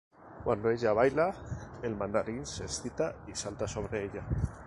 Cuando ella baila, el mandarín se excita y salta sobre ella.